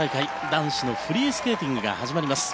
男子のフリースケーティングが始まります。